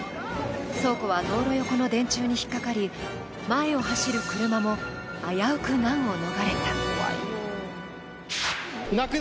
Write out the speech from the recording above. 倉庫は道路横の電柱に引っかかり、前を走る車も危うく難を逃れた。